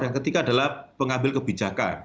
yang ketiga adalah pengambil kebijakan